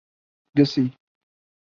گسی